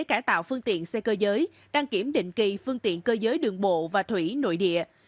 cải tạo phương tiện xe cơ giới đăng kiểm định kỳ phương tiện cơ giới đường bộ và thủy nội địa